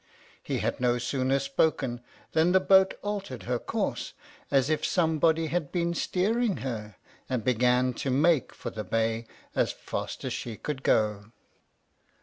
He had no sooner spoken than the boat altered her course, as if somebody had been steering her, and began to make for the bay as fast as she could go.